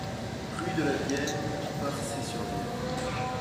Rue de la Vienne, Parçay-sur-Vienne